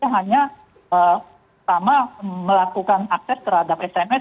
hanya pertama melakukan akses terhadap sms